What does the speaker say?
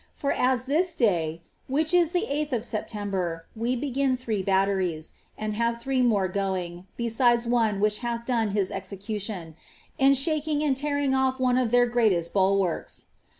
for as this day, which is tiie eighth of Sep tember, we begin three batteries, and have three more going, beside one wbich hatli done his execution, in shaking and tearing off one of tlieir greateit bul warks.